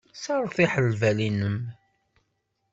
Sseṛtiḥ lbal-nnem.